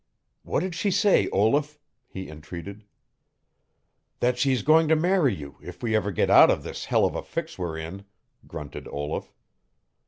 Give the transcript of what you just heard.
"What did she say, Olaf?" he entreated. "That she's going to marry you if we ever get out of this hell of a fix we're in," grunted Olaf.